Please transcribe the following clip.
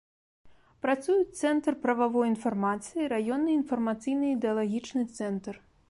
Працуюць цэнтр прававой інфармацыі, раённы інфармацыйна-ідэалагічны цэнтр.